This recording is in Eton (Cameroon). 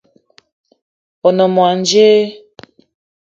O ne mo djeue?